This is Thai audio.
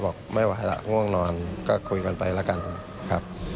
บอกไม่ไหวล่ะง่วงนอนก็คุยกันไปแล้วกันครับ